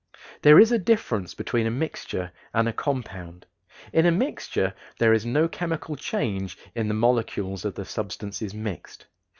There is a difference between a mixture and a compound. In a mixture there is no chemical change in the molecules of the substances mixed.